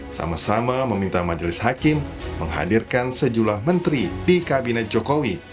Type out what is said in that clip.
sama sama meminta majelis hakim menghadirkan sejumlah menteri di kabinet jokowi